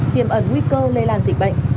tiềm ẩn nguy cơ lây lan dịch bệnh